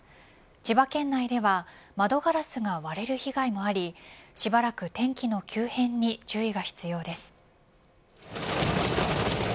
千葉県内では窓ガラスが割れる被害もありしばらく天気の急変に注意が必要です。